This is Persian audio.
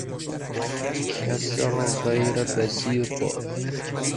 کسرغیربسیط